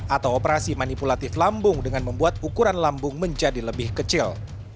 atau operasi manipulatif lambung dengan membuat ukuran lambung menjadi lebih kecil